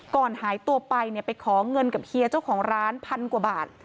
หายตัวไปเนี่ยไปขอเงินกับเฮียเจ้าของร้านพันกว่าบาท